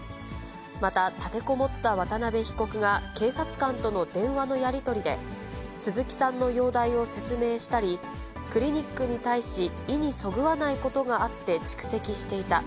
また、立てこもった渡辺被告が警察官との電話のやり取りで、鈴木さんの容体を説明したり、クリニックに対し、意にそぐわないことがあって蓄積していた。